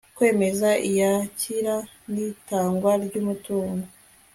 Kwemeza iyakira n itangwa ry umutungo